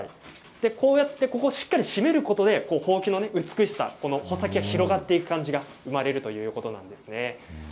ここをしっかりと締めることで穂先の美しさ穂先が広がっていく感じが生まれるということなんです。